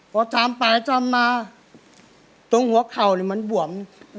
พอจามไปตามมาตรงหัวเข่ามันบวม